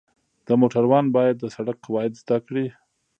د موټروان باید د سړک قواعد زده کړي.